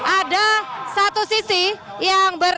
ada satu sisi yang berhubungan dengan kemampuan buruh